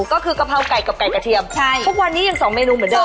ก็คือกะเพราไก่กับไก่กระเทียมใช่ทุกวันนี้ยังสองเมนูเหมือนเดิ